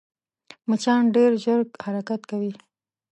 مچان ډېر ژر حرکت کوي